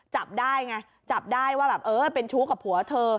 จับได้ไงจับได้ว่าแบบเออเป็นชู้กับผัวเธอ